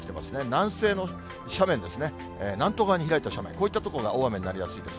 南西の斜面ですね、南東側に開いた斜面、こういった所が大雨になりやすいです。